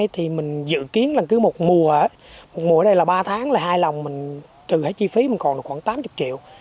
thì mình dự kiến là cứ một mùa một mùa ở đây là ba tháng là hai lần mình trừ hết chi phí mình còn là khoảng tám mươi triệu